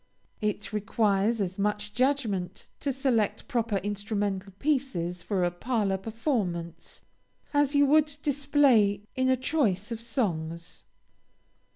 It requires as much judgment to select proper instrumental pieces for a parlor performance, as you would display in a choice of songs.